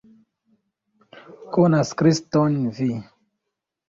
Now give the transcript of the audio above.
Konas Kriston vi!